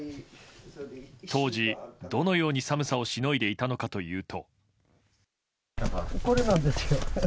当時、どのように寒さをしのいでいたのかというと。